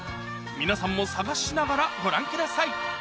皆さんも探しながらご覧ください